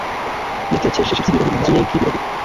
yatekesheje iby ibirori mu nzu ye nk ibirori